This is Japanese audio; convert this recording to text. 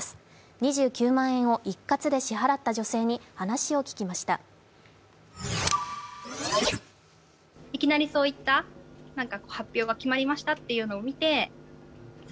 ２９万円を一括で支払った女性に話を聞きました。